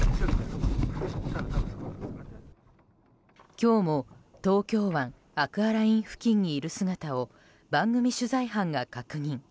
今日も東京湾アクアライン付近にいる姿を番組取材班が確認。